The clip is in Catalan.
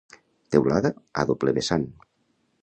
Teulada a doble vessant.